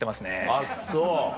あっそう！